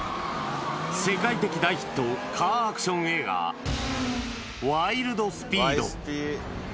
世界的大ヒット、カーアクション映画、ワイルド・スピード。